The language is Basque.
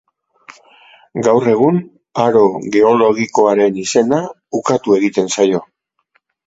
Gaur egun, aro geologikoaren izena ukatu egiten zaio.